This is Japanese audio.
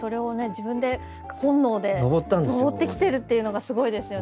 自分で本能でのぼってきてるっていうのがすごいですよね。